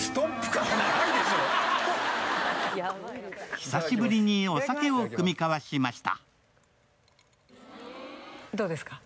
久しぶりにお酒を酌み交わしました。